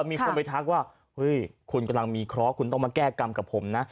มีคนไปทักว่าเฮ้ยคุณกำลังมีเคราะห์คุณต้องมาแก้กรรมกับผมนะ